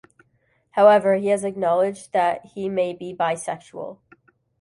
However, he has acknowledged that he may be bisexual.